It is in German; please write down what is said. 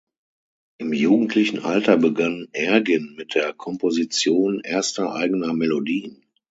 Im jugendlichen Alter begann Ergin mit der Komposition erster eigener Melodien.